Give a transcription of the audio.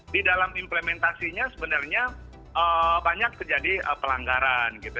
di dalam implementasinya sebenarnya banyak terjadi pelanggaran gitu